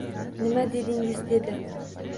Nima dedingiz? — dedi.